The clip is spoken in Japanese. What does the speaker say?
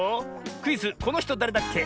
クイズ「このひとだれだっけ？」